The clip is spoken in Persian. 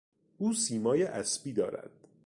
او سیمای اسبی دارد.